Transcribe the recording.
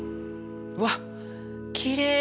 うわっきれい！